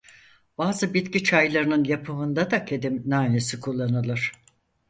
Bazı bitki çaylarının yapımında da kedi nanesi kullanılır.